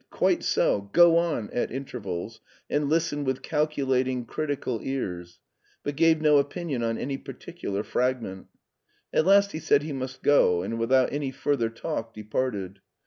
Quite so ! Go on !" at intervals, and listened with calcula ting, critical ears, but gave no opinion on any partic ular fragment At last he said he must go, and with out any further talk departed.